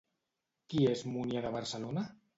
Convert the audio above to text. Qui és Múnia de Barcelona?